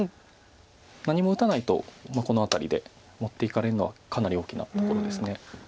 何も打たないとこの辺りで持っていかれるのはかなり大きなところです。